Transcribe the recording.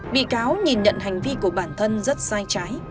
bị cáo nhìn nhận hành vi của bản thân rất sai trái